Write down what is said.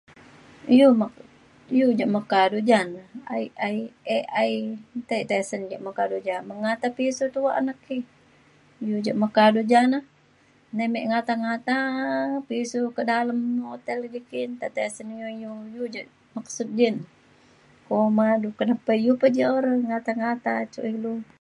iu me- iu je meka du ja na i- i- AI nta tei ja tisen meka du ja mengata pisu ja tuak na ki. iu ja meka du ja na nai me ngata ngata pisu kak dalem hotel idi ki nta tisen iu iu iu ja maksud ji na kuma du ke pe je re ngata ngata cuk ilu